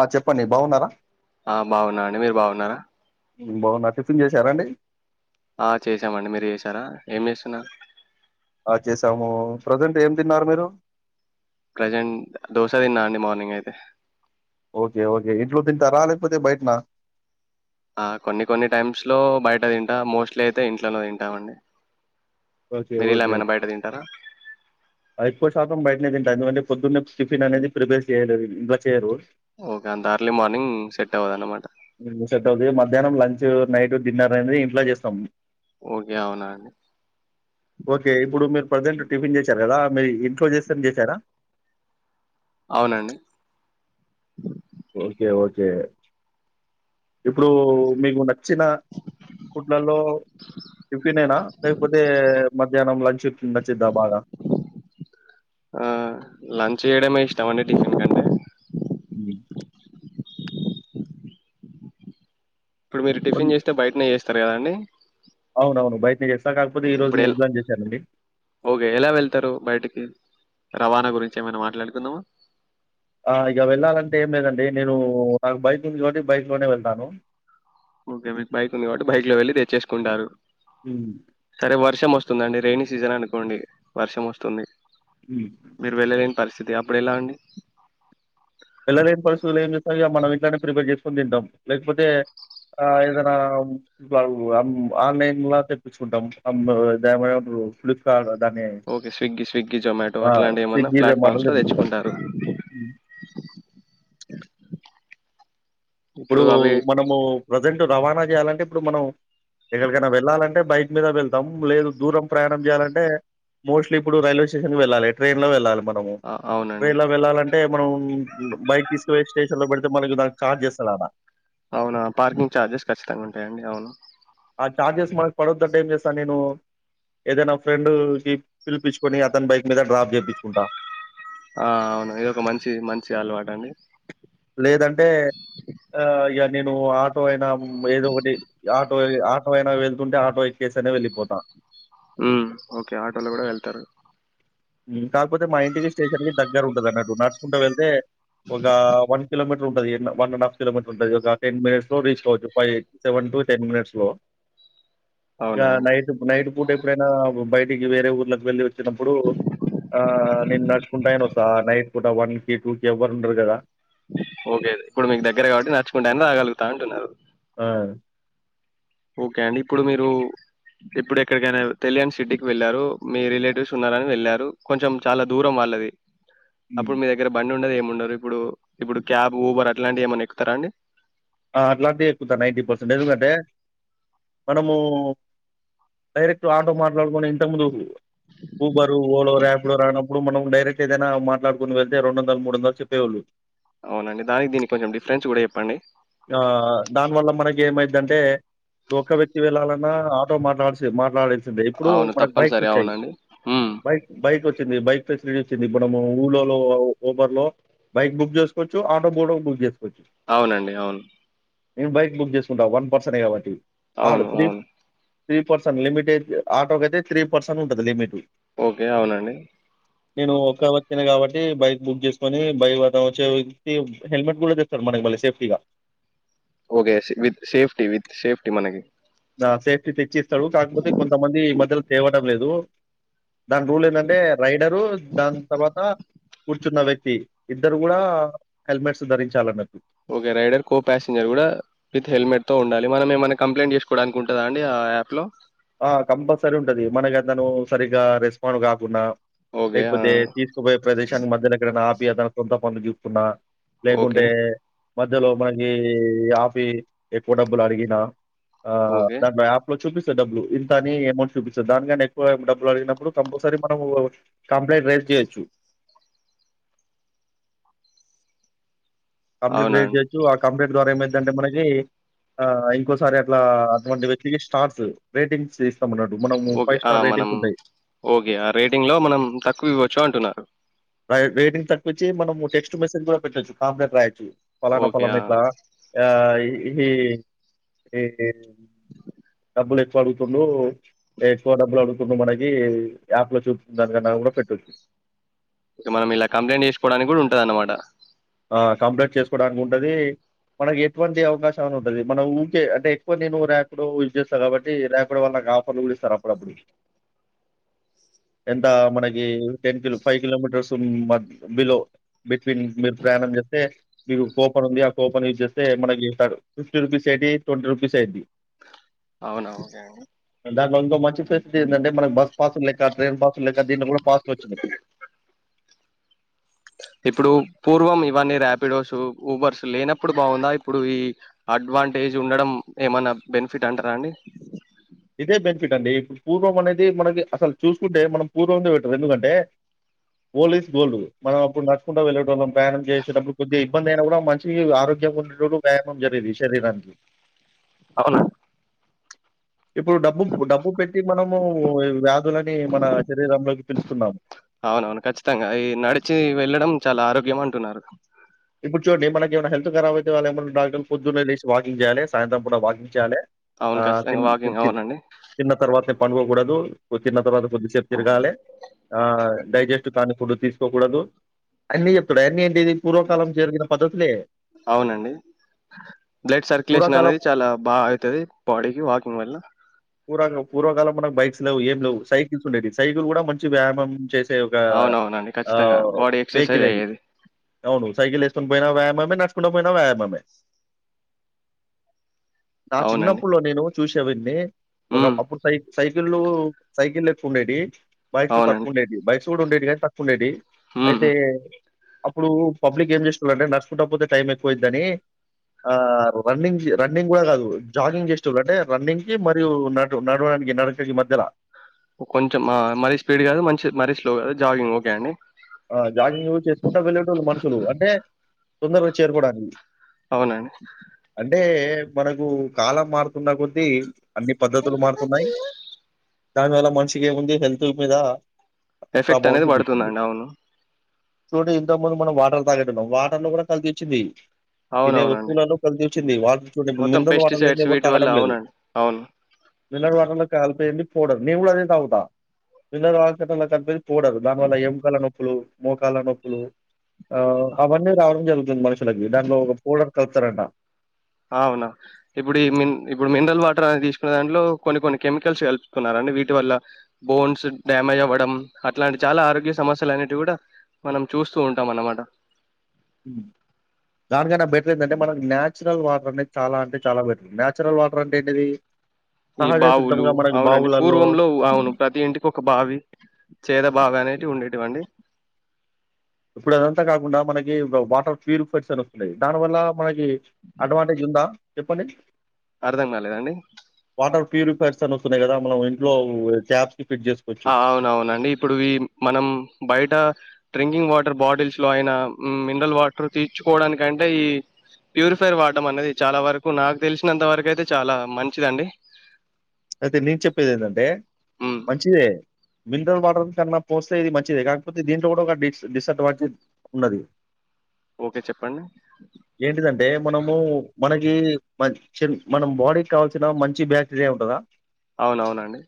ఆ చెప్పండి బాగున్నారా ఆ బాగున్నా అండి మీరు బాగున్నారా మ్మ్ బాగున్న టిఫిన్ చేశారా అండి ఆ చేసామండి మీరు చేసారా ఏం చేస్తున్నా ఆ చేసాము ప్రజెంట్ ఏం తిన్నారు మీరు ప్రజెంట్ దోశ తిన్నా అండి మార్నింగ్ అయితే ఓకే ఓకే ఇంట్లో తింటారా లేకపోతే బయటనా ఆ కొన్ని కొన్ని టైమ్స్లో బయట తింటా మోస్ట్లీ అయితే ఇంట్లోనే తింటామండి ఓకే మీరు ఇలా ఓకే ఏమైనా బయట తింటారా ఆ ఎక్కువ శాతం బయటనే తింట ఎందుకంటే పొద్దున్నే టిఫిన్ అనేది ప్రిపేర్ చేయలేదు ఇంట్లా చేయరు ఓకే అంత అర్లీ మార్నింగ్ సెట్ అవ్వదు అన్నమాట సెట్ అవుతుంది [unintelligible] నైట్ డిన్నర్ అనేది ఇంట్లో చేస్తాం ఓకే అవునా అండి ఓకే ఇప్పుడు మీరు ప్రజెంట్ టిఫిన్ చేసారు కదా మీరు ఇంట్లో చేస్తని చేసారా అవునండి ఓకే ఓకే ఇప్పుడు మీకు నచ్చిన ఫుడ్లలో టిఫిన్నా లేకపోతే మధ్యాహ్నం లంచ్ ఫ్న్ నచ్చిద్దా బాగా చెయ్యడమే ఇస్టమంది టిఫెన్ కంటె ఇ ఇప్పుడు మీరు ఉమ్. టిఫన్ చేస్తే బయటనే చేస్తే చెస్తారు కదండి అవునవును బయటనే చేస్త ఇప్పుడు ఎ ఓకే ఎలా వెళ్తారు బయటికి రవాణా గురించి ఏమైనా మాట్లాడుకుందావా ఆ ఇక వెళ్ళాలంటే ఏం లేదండి నేను నాకు బైక్ నుంచి ఒకటి బైక్ లోనే వెళ్తాను ఓకే మీ బైక్ ఉంది కాబట్టి బైక్ లో వెళ్ళలి తెచ్చేసుకుంటారు హ్మ్. సరే వర్ష మస వస్తుందండి రెైనీ సీజన్ అనుకోండి వర్షం వస్తుంది హ మీరు వెళ్ళలేని పరిస్థితి అప్పుడు ఎలా అండి వెళ్ళలేని పరిస్థితులు ఏం చేస్తా మనం ఇట్లనే ప్రిపేర్ చేసుకొని తింటాం లేకపోతే ఆ ఏదై ఆన్లైన్ లా తెప్పించుకుంటాంమ్మ ఫ్లిప్కార్ట్ దాన్ని ఓకే స్విగ్గీ స్విగ్గి జొమాటో అట్లాంటివి ఏమన్నా స్విగ్గీ, జొమాటోలో ప్లాట్ఫామ్స్ లో తెప్పించుకుంటాం. తెచ్చుకుంటారు ఇప్పుడు మనము ప్రజెంట్ రవాణా చేయాలంటే ఇప్పుడు మనం ఎక్కడికైనా వెళ్ళాలంటే బయట మీద వెళ్తాం లేదు దూరం ప్రయాణం చేయాలంటే మోస్ట్లీ ఇప్పుడు రైల్వే స్టేషన్కి వెళ్ళాలి ట్రైన్ లో వెళ్ళాలి మన ఆ, ట్రై అవునండి లో వెళ్ళాలంటే మనం బైక్ తీసుకువి స్టేషన్ లో పె మరి చార్జెస్ సలాదా అవునా పార్కింగ్ చఛార్జెస్ ఖచ్చితంగా ఉంటాయిండి అవునా ఆ చార్జెస్ మాకు పడొద్దంటే ఏం చేస్తాను నేను ఏదైనా ఫ్రెండ్ కి పిలిపించుకొని అతని బైక్ మీద డ్రాప్ చేపించుకుంటా. ఆ అవును ఇది ఒక మంచి మంచి అలవాటు అండి లేదంటే ఆ ఇక నేను ఆటో అయినా ఏదో ఒకటి ఆటో ఆటో అయినా వెళ్తుంటే ఆటో ఎక్కేసనే వెళ్ళిపోతాను ఉమ్ ఓకే ఆటోలో కూడా వెళ్తారు కాకపోతే మా ఇంటికి స్టేషన్ కి దగ్గర ఉంటది అన్నట్టు నడుచుకుంటూ వెళ్తే ఒక వన్ కిలోమీటర్ ఉంటది వన్ అండ్ హాఫ్ కిలోమీటర్ ఉంటది ఒక టెన్ మినిట్స్ లో రీచ్ కావచ్చు five seven to ten minutes లో ఇక అవునా అండి నైట్ నైట్ పూట ఎప్పుడైనా బయట కి వేరే ఊర్ళకి వెళ్ళలి వచ్చినప్పుడు ఆ నేను నడుచుకుంటాను వసా నైట్ కూడా వన్ కి టూ కి ఎవ్వరు ఉన్నారు కదా ఓకే ఇప్పుడు మీకు దగ్గర కాబట్టి నచ్చుకుంటే ఆయ రాగలుగుతా ఉంటున్నారు ఆ ఓకే అండి ఇప్పుడు మీరు ఇప్పుడు ఎక్కడికైనా తెలియని సిటీకి వెళ్ళారు మీ రిలేటివ్స్ ఉన్నారని వెళ్ళారు కొంచెం చాలా దూరం వాళ్ళది హ్మ్. అప్పుడు మీ దగ్గర బండి ఉండదు ఏమ్ ఉండరు ఇప్పుడు ఇప్పుడు క్యాబ్ ఊబర్ అట్లాంటివి ఏమన్నా ఎక్కుతారా అండి ఆ అట్లాంటి ఎక్కుతా నైన్ంటీ పర్సెంట్ ఎందుకంటే మనము డైరెక్ట్ ఆటో మాట్లాడుకొని ఇంతకుముందు ఊబరు ఓలో ర్యాపిడో రానప్పుడు మనం డైరెక్ట్ ఏదైనా మాట్లాడుకుని వెళ్తే రెందొండల్ మూదొండల్ చెప్పేవోళ్ళు అవునండి దానికి దీనికి కొంచెం డిఫరెన్స్ కూడా చెప్పండి ఆ దానివల్ల మనకి ఏమైందంటే ఒక్క వ్యక్తి వెళ్లాలన్నా ఆటో మాట్లాడిసి మాట్లాడేది ఇప్పుడు అవును మనకు బైక్స్ తప్పనిసరి వచ్చాయి అవునండి ఉమ్ బైక్ బైక్ వచ్ వచ్చింది బైక్ ఫెసిలిటీ వచ్చింది ఇప్పుడు ఊర్లలో ఊబర్ లో బైక్ బుక్ చేసుకోవచ్చు ఆటో బుడా బుక్ చేసుకోచ్చు అవునండి అవును నేను బైక్ బుక్ చేసుకుంటాం వన్ పర్సనే కాబట్టి అవును అవును త్రీ పర్సెన్ లిమిట్ అయితే ఆటోకయితే త్రీ పర్సెన్ ఉంటది లిమిట్ ఓకే అవునండి నేను ఒక్క వ్యక్తినే కాబట్టి బైక్ బుక్ చేసుకొని బయలుదేరి వచ్చే వ్యక్తి హెల్మెట్ కూడా తెస్తారు మనకి మళ్ళీ సేఫ్టీగా okay with safety with safety మనకి నా సేఫ్టీ తెచ్చి ఇస్తాడు కాకపోతే కొంతమంది ఈ మధ్యలో తేవడం లేదు దాని రూల్ ఏంటంటే రైడరు దాన్ తర్వాత కూర్చున్న వ్యక్తి ఇద్దరు కూడా హెల్మెట్స్ ధరించాలన్నట్టు ఓకే రైడర్ కో పాసింజర్ కూడా విత్ హెల్మెట్ తో ఉండాలి మనం ఏమన్న కంప్లైంట్ చేసుకోడానికి ఉంటదా అండి ఆ యాప్ లో ఆ కంపల్సరీ ఉంటది మనకతను సరిగ్గా రెస్పాండ్ కాకున్నా ఓకే ఆ లేకపోతే తీసుకుపోయే ప్రదేశానికి మధ్యలో ఎక్కడన్నా ఆ యదా కొంత పన్ను గిక్కున్న ఓకే లేకుంటే మధ్యలో మనకి ఆఫీ ఎక్కువ డబ్బులు అడిగిన ఆ ఓకే దట్ మై ఆప్ లో చూపిస్ ఇంత డబ్బులు ఇంతని అమౌంట్ చూపిస్తద్ దాని కన్న ఎక్కువ డబ్బులు అడిగినప్పుడు కంపల్సరీ మనం కంప్లైంట్ రైజ్ చేయొచ్చు కంప్లైంట్ అవునా రేజ్ అండి చేయచ్చు ఆ కంప్లైంట్ ద్వారా ఏమైదంటే మనకి ఆ ఇంకోసారి అట్లా అటువంటి వ్యక్తికి స్టార్స్ రేటింగ్స్ ఇస్ ఓకే ఆ మనం ఓకే ఆ రేటింగ్ లో మనం తక్కువ ఇవ్వ చో అంటున్నారు ఆ రేటింగ్ తక్కువిచ్చి మనం టెక్స్ట్ మెసేజ్ కూడా పెట్టొచ్చు కాంప్లెట్ రాయచ్చు పలానా ఓకే పలనా ఆ ఇట్లా ఏయి డబ్బులు ఎక్కువ అడుగుతుండు ఎక్కువ డబ్బులు అడుగుతుండు మనకి యాప్ లో చూపి దానికన్నా కూడా పెట్టొచ్చు ఇక మనం ఇలా కంప్లైంట్ చేసుకోడానికి కూడా ఉంటదన్నమాట ఆ కంప్లైంట్ చేసుకోడానికి ఉంటది మనకి ఎటువంటి అవకాశమైనా ఉంటది మనం ఊకే అంటే ఎక్కువ నేను ర్యాపిడో యూజ్ చేస్తా కాబట్టి ర్యాపిడో వాళ్ళకి ఆఫర్లు కూడా ఇస్తారు అప్పుడప్పుడు ఎంత మనకి టెన్తులు five kilometres but below between ప్రయాణం చేస్తే మీకు కూపన్ ఉంది ఆ కూపన్ యూజ్ చేస్తే మనకి ఇస్తాడు ఫిఫ్టీ రూపీస్ ఏటి ట్వంటీ రూపీస్ ఏంటి అవునవును ఒకె అండి దాంట్లొ ఇంకో మంచి ఫెసిలిటీ ఏందంటె మనకు బస్ పాస్ ల్లెక ట్రైన్ పాస్ లేక దీంట్లో కూడా పాస్లు వచ్చినియ్ ఇప్పుడు పూర్వం ఇవన్నీ ర్యాపిడోస్ ఊబర్స్ లేనప్పుడు బాగుందా ఇప్పుడు ఈ అడ్వాంటేజ్ ఉండడం ఏమన్నా బెనిఫిట్ అంటారా అండి ఇదే బెనిఫిట్ అండి ఇప్పుడు పూర్వం అనేది మనకి అసలు చూసుకుంటే మనం పూర్వంతో బెట్టరు ఎందుకంటే ఓల్ ఇస్ గోల్డ్ మనం అప్పుడు నడుచుకుంట వెళ్ళేటొళ్ళం ప్రయాణం చేసేటప్పుడు కొద్దిగా ఇబ్బంది అయినా కూడా మంచి ఆరోగ్యంగా ఉండేటొళ్ళు వ్యాయామం జరిగేది శరీరానికి అవునా ఇప్పుడు డబ్బు డబ్బు పెట్టి మనము వ్యాధులని మన శరీరంలోకి పిలుస్తున్నాము అవునవును ఖచ్చితంగా ఈ నడిచి వెళ్ళడం చాలా ఆరోగ్యం అంటున్నారు కుర్చొని మనకి ఏమైనా హెల్త్ ఖరాబ్ అయితే వాళ్ళు ఏమన్నా డాక్టర్లు పొదున్నేలేసి వాకింగ్ చేయాలె సాయంత్రం పూట వాకింగ్ చేయాలె అ.. అవును ఖచ్చితంగా వాకింగ్ అవునండి తిన్న తర్వాతె పడుకోకూడదు తిన్న తర్వాత కొద్దిసేపు తిరగాలె ఆ డైజెస్ట్ కానీ ఫుడ్ తీసుకోకూడదు అన్నీ చెప్తాడు అయ్యన్నీ ఏంటిది పూర్వ కాలం జరిగిన పద్ధతిలే అవునండి బ్లడ్ సర్కులేషన్ పూర్వకాలం అనేది చాలా బా అయితది బాడీకి వాకింగ్ వల్ల పూర్వ పూర్వకాలం మనకు బైక్స్ లేవు ఏం లేవు సైకిల్స్ ఉండేవి సైకిల్ కూడా మంచి వ్యాయామం చేస్త స్తె ఒక అవునవునండి ఖచ్చితంగా బాడీ ఎక్సర్సైజ్ వెహికల్ అది అయ్యేది అవును సైకిల్ ఏసుకొని పోయినా వ్యాయామమే నడుచుకుంటూ పోయినా వ్యాయామమే నా అవునండి చిన్నప్పుడు లో నేను చూసేవన్నీ ఉమ్ ఒకప్పుడు సై సైకిళ్ళు సైకిళ్ళెక్కవ ఉండేవి బైక్స్ తక్కువ అవునండి ఉండేవి బైక్స్ [unintelligible] ఉండేది కానీ తక్కువ ఉండేది ఉమ్ అయితే అప్పుడూ పబ్లిక్ ఏం చేసెటొళంటే నడుచుకుంట పోతే టైం ఎక్కువ అయిద్దనీ ఆ.. రన్నింగ్ రన్నింగ్ కూడా కాదు జాగింగ్ చేసెటొళ్ళు అంటే రన్నింగ్ కి మరియు నటు నడవడానికి నడకకి మధ్యలా కొంచెం ఆ.. మరీ స్పీడ్ కాదు మంచి మరీ స్లో కాదు జాగింగ్ ఓకే అండి ఆ జాగింగ్ చేసుకుంటా వెళ్లేేటొళ్ళు మనుషులు అంటే తొందరగా చేరుకోవడానికి అవునండి మనకు కాలం మారుతున్న కొద్దీ అన్ని పద్ధతులు మారుతున్నాయి దానివల్ల మనిషికి ఏముంది హెల్త్ మీద ఎఫెక్ట్ అనేది పడుతుందండి అవును చూడు ఇంతకు ముందు మనం వాటర్ తాగెట్టున్నాం వాటర్ లో కూడా కల్తీ ఇచ్చింది తినే అవునవునండి. వస్తువులను కలిసి వచ్చింది వాటర్ చూడంప్పుడు మొత్తం మినరల్ వాటర్ లేద పెస్టిసైడ్స్ ఎవరు వీటి వల్ల తాగడం లేదు అవునండి. అవును. మినరల్ వాటర్ లో కాలపోయిడి పోడర్ నీవు కూడా అదే తగుతా కనిప పోడర్ దాని వల్ల ఏం కాల నొప్పులు మోకాల నొప్పులు ఆ అవనీ రావడం జరుగుతుంది [inaudible] ఇ దండలు పొడర్ కలుపుతార్ ఆట అవునా ఇప్పుడు ఈ మి ఇప్పుడు మినరల్ వాటర్ అనే తీసుకునే దాంట్లో కొన్ని కొన్ని కెమికల్స్ కలుపుతున్నడి వీటి వల్ల బోన్స్ డ్యామేజ్ అవ్వడం అట్లాంటి చాలా ఆరోగ్య సమస్యలు అనేవి కూడా మనం చూస్తూ ఉంటాం అన్నమాట దానికై నా బెటర్ ఏంటంటే మనకి నయాచురల్ వాటర్ అనేది చాలా అంటే చాలా బెటర్ నచురల్ వాటర్ అంటే ఏంటిది ఈ సహజ బావులు సిద్ధంగా మనకి అవునండి బావులలో పూర్వంలో అవును ప్రతి ఇంటికి ఒక బావి చేద బాగా అనేది ఉండేటివండి ఇప్పుడు అదంతా కాకుండా మనకి వాటర్ ప్యూరిఫైట్స్ అని వస్తున్నాయి దాని వల్ల మనకి అడ్వాంటేజ్ ఉందా చెప్పండి అర్ధం కాలేదా అండి ప్యూరిఫైర్స్ అని వస్తున్నాయి కదా మనం ఇంట్లో ట్యాప్ అవునవునండి ఇప్పుడు మనం బయట డ్రింకింగ్ వాటర్ బాటిల్స్ లో అయిన మినరల్ వాటర్ తీర్చుకోవడానికంటే ఈ ప్యూరిఫైర్ వాటం అనేది చాలా వరకు నాకు తెలిసినంత వరకు అయితే చాలా మంచిదిండి అయితే నేను చెప్పేది ఏంటంటే మ్మ్ మంచిదే మినరల్ వాటర్ కన్నా పోస్తే ఇది మంచిదే కాకపోతే దీంట్లో కూడా ఒక డిస్ డిసడ్వాంటేజ్ ఉన్నది ఓకే చెప్పండి ఏంటిదంటే మనము మనకి మ చి మనం బాడీకి కావాల్సిన మంచి బ్యాక్టీరియా ఉంటందా అవునవునండి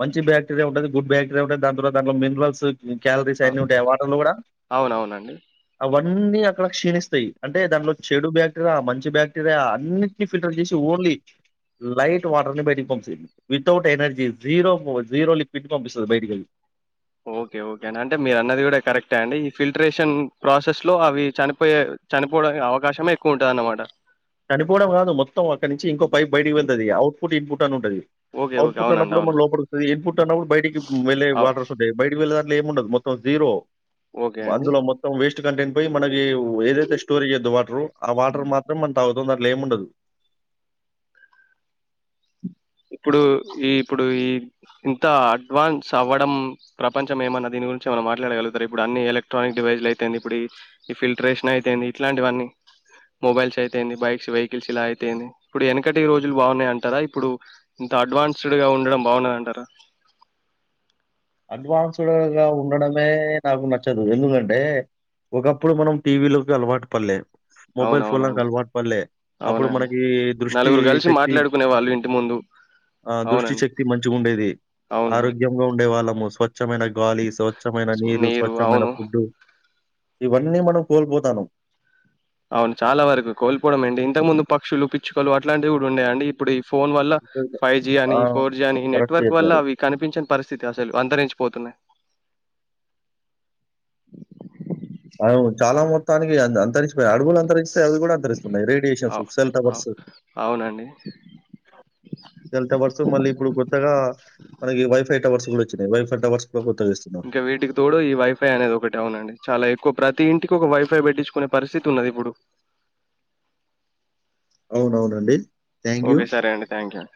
మంచి బ్యాక్టీరియా ఉంటంది గుడ్ బ్యాక్టీరియా దాని తర్వాత అందులో మినరల్స్ ఈ క్యాలరీస్ అవు అన్ని ఉంటాయి వాటర్లు కూడా అవునవునండి అ అన్ని అక్కడ క్షీణిస్తాయి అంటే దానిలో చెడు బ్యాక్టీరియా మంచి బ్యాక్టీరియా అన్నిటిని ఫిల్టర్ చేసి ఓన్లీ లైట్ వాటర్ ని బయటికు పంా వితౌట్ ఎనర్జీ జీరో లిక్విడ్ పంపిస్తుంది బయటికి ఓకే ఓకే అ అంటే మీరు అన్నది కూడా కరెక్టా అండి ఈ ఫిల్టరేషన్ ప్రాసెస్ లో అవి చనిపోయే చనిపోడా అవకాశమే ఎక్కువ ఉంటది అన్నమాట చనిపోవడం కాదు మొత్తం అక్క నుంచి ఇంకో పై బడికి వెళ్తుది అవుట్పుట్ ఇన్పుట్ ఉంటది ఓకే ఓకే అవుట్పుుట్ అవునండి అన్నప్పుడు మన అవును లోప వస్తుంది ఇన్పుట్ అన్నప్పుడు బయటికి వెళ్లేే అవు వాటర్స్ ఉంటాయి బయటికి వెళ్దని ఏము ఉండదు మొత్తం జీరో ఓకే అండి మందులో మొత్తం వేస్ట్ కంటెంట్ ప మనకి ఏదైతే స్టోరేయద్దు వాటర్ ఆ వాటర్ మాత్రం తాగుతం దాంట్లో ఏం ఉండదు ఇప్పుడు ఈ ఇప్పుడు ఈ ఇంత అడ్వాన్స్ అవ్వడం ప్రపంచం ఏమన్న దీని గురించి మనం మాట్లాడగలుగుతారు ఇప్పుడు అన్ని ఎలక్ట్రానిక్ డివైస్లు అయితేంది ఇప్పుడు ఈ ఫిల్టరేషన్ అయితేయింది ఇట్లాంటివన్నీ మొబైల్స్ అయితేయింది బైక్స్ వెహికల్స్ ఇలా అయితేయింది ఇప్పుడు వెనకటి రోజులు బాగున్నాయి అంటారా ఇప్పుడు ఇంత అడ్వాన్స్డ్గా ఉండడం బాగున్నదంటార అడ్వాన్స్డ్గా ఉండడమే నాకు నచ్చదు ఎందుకంటే ఒకప్పుడు మనం టీవీలోకి అలవాటు పడలేదు మొబైల్ ఫోన్లను అవునవునండి అలవాటు పల్లే అప్పుడు అవునండి మనకి దృష్టి నలుగురు కలిసి శక్తి మాట్లాడుకునే వాళ్ళు ఇంటి ముందు ఆ దృష్టి అవునండి శక్తి మంచిగా ఉండేది అవునండి ఆరోగ్యంగా ఉండే వాళ్ళ మో స్వచ్ఛమైన గాలి స్వచ్ఛమైన నీరు స్వచ్ఛమైన ఫుడ్డు ఇవన్నీ మనం కోల్పోతాను అవును చాలా వరకు కోల్పోవడం అండి ఇంతకు ముందు పక్షులు పిచ్చుకలు అట్లాంటివి కూడా ఉండయం అండి ఇప్పుడు ఫోన్ వల్ల ఫైవ్ జి ఆ! అని ఫోర్ జీ అని కరెక్ట్ నెట్వర్క్ చెప్పారు. వల్ల అవి కనిపించిన పరిస్థితి అసలు అందరించి పోతున్నా తనికి చేద్దాం పోయాయి అడవులు అంతరిస్తాయి అవి కూడా అంతరిస్తున్నాయి రేడియేషన్స్ అవ్ సెల్ అవ్ టవర్స్ అవునండి. సెల్ టవర్స్ మళ్ళీ ఇప్పుడు కొత్తగా మనకి వైఫై టవర్స్ ఇప్పుడు వచ్చినాయ్ వైఫై టవర్స్ కూడా కొత్తగా ఇస్తున్నారు. ఇంకా వీటికి తోడు ఈ వైఫై అనేది ఒకటి అవునండి చాలా ప్రతి ఇంటికి ఒక వైఫై పెట్టించుకునే పరిస్థితి ఉన్నది ఇప్పుడు అవునవునండి థాంక్ యూ. ఓకే సరే అండి థాంక్ యూ అ